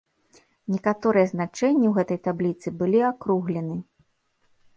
Некаторыя значэнні ў гэтай табліцы былі акруглены.